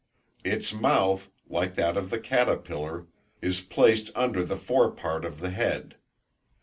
Its mouth, like that of the caterpillar, is placed under the fore part of the head.